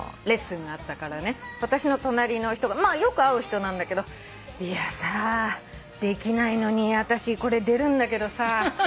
私の隣の人がよく会う人なんだけど「いやさあできないのに私これ出るんだけどさ」